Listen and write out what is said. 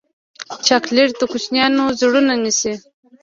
چاکلېټ د کوچنیانو زړونه نیسي.